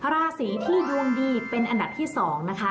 ราศีที่ดวงดีเป็นอันดับที่๒นะคะ